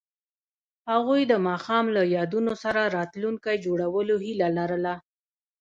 هغوی د ماښام له یادونو سره راتلونکی جوړولو هیله لرله.